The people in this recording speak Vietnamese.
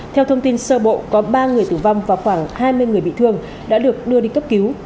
theo thông tin sơ bộ có ba người tử vong và khoảng hai mươi người bị thương đã được đưa đi cấp cứu